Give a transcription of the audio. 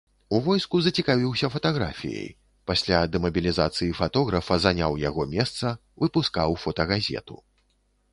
У войску зацікавіўся фатаграфіяй, пасля дэмабілізацыі фатографа заняў яго месца, выпускаў фотагазету.